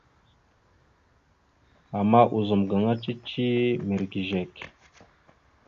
Ama ozum gaŋa cici mirəgezekw.